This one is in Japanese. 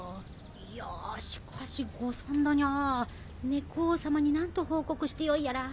いやしかし誤算だにゃ猫王様に何と報告してよいやら。